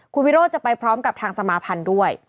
คุณวิโรธจะไปพร้อมกับทางสมาพันธ์ด้วย